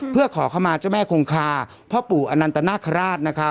เพื่อขอเข้ามาเจ้าแม่คงคาพ่อปู่อนันตนาคาราช